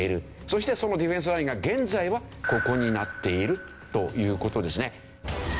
そしてそのディフェンスラインが現在はここになっているという事ですね。